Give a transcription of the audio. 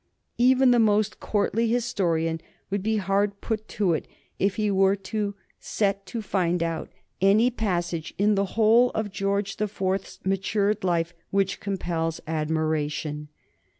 Even the most courtly historian would be hard put to it if he were set to find out any passage in the whole of George the Fourth's matured life which compels admiration.